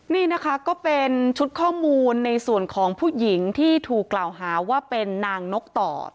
นี่นะคะก็เป็นชุดข้อมูลในส่วนของผู้หญิงที่ถูกกล่าวหาว่าเป็นนางนกต่อ